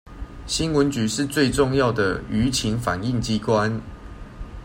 新聞局是最重要的輿情反映機關